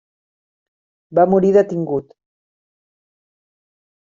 Va morir detingut.